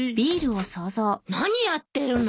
何やってるの？